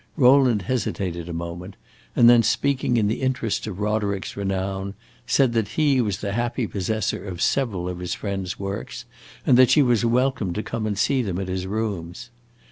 Rowland hesitated a moment, and then speaking in the interest of Roderick's renown, said that he was the happy possessor of several of his friend's works and that she was welcome to come and see them at his rooms.